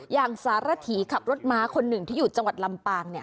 อย่างสารถีขับรถม้าคนหนึ่งที่อยู่จังหวัดลำปาง